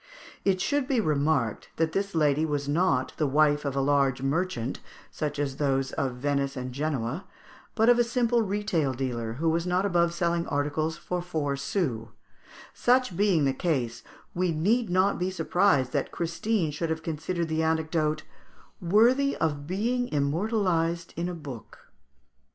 It should be remarked that this lady was not the wife of a large merchant, such as those of Venice and Genoa, but of a simple retail dealer, who was not above selling articles for four sous; such being the case, we need not be surprised that Christine should have considered the anecdote "worthy of being immortalised in a book."